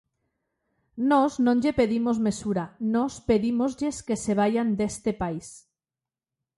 Nós non lles pedimos mesura, nós pedímoslles que se vaian deste país.